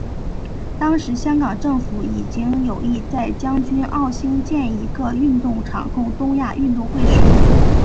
当时香港政府已经有意在将军澳兴建一个运动场供东亚运动会使用。